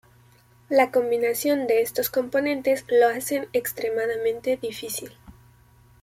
La combinación de estos componentes lo hacen extremadamente difícil.